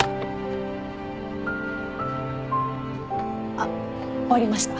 あっ終わりました。